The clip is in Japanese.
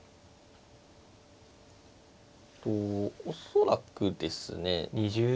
恐らくですね